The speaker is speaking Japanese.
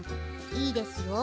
いいですよ。